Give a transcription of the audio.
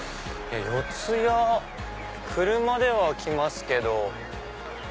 四谷車では来ますけど。